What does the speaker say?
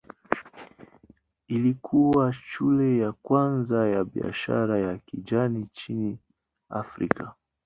Ilikuwa shule ya kwanza ya biashara ya kijani nchini Afrika.